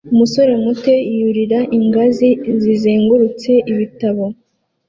Umusore muto yurira ingazi zizengurutse ibitabo